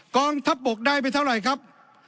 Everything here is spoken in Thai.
กองทัพบกได้ไปเท่าไหร่ครับ